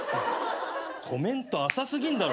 コメント浅過ぎんだろ。